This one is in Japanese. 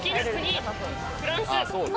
フランス。